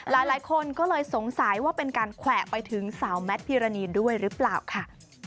หลายคนก็เลยสงสัยว่าเป็นการแขวะไปถึงสาวแมทพิรณีด้วยหรือเปล่าค่ะ